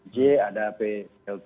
j ada p lt